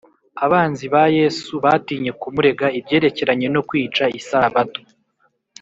abanzi ba yesu batinye kumurega ibyerekeranye no kwica isabato,